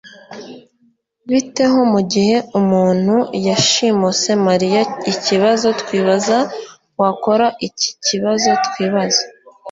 Bite ho mugihe umuntu yashimuse mariyaikibazo twibaza Wakora ikiikibazo twibaza